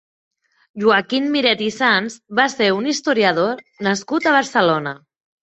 Joaquim Miret i Sans va ser un historiador nascut a Barcelona.